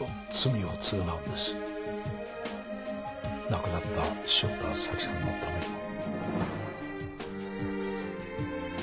亡くなった汐田早紀さんのためにも。